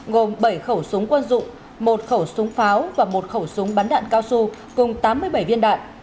gồm bảy khẩu súng quân dụng một khẩu súng pháo và một khẩu súng bắn đạn cao su cùng tám mươi bảy viên đạn